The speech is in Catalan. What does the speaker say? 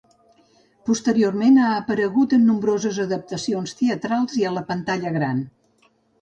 Posteriorment ha aparegut en nombroses adaptacions teatrals i a la pantalla gran.